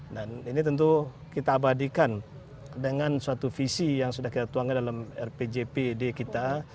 dan ini tentu kita abadikan dengan suatu visi yang sudah kita tuangkan dalam rpjp di kita